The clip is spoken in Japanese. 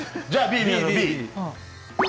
じゃあＢ。